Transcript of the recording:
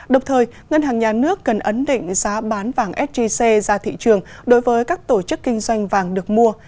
đồng thời ngân hàng nhà nước cần ấn định giá bán vàng sgc ra thị trường đối với các tổ chức kinh doanh vàng được mua